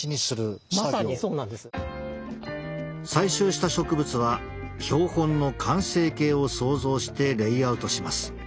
採集した植物は標本の完成形を想像してレイアウトします。